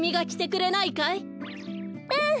うん！